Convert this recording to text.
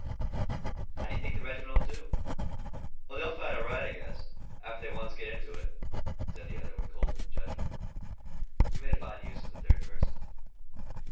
"How do you think the reg'ment 'll do?" "Oh, they'll fight all right, I guess, after they once get into it," said the other with cold judgment. He made a fine use of the third person.